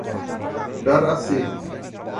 Dar a C